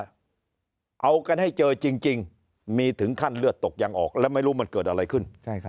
เอากันให้เจอจริงมีถึงขั้นเลือดตกยังออกแล้วไม่รู้มันเกิดอะไรขึ้น